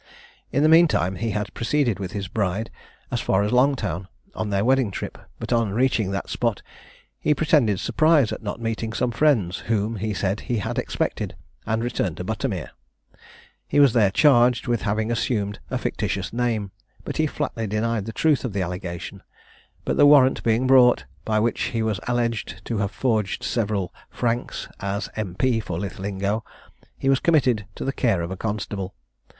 In the meantime, he had proceeded with his bride, as far as Longtown, on their wedding trip, but on reaching that spot, he pretended surprise at not meeting some friends, whom, he said, he had expected, and returned to Buttermere. He was there charged with having assumed a fictitious name, but he flatly denied the truth of the allegation; but the warrant being brought, by which he was alleged to have forged several franks, as M.P. for Linlithgow, he was committed to the care of a constable.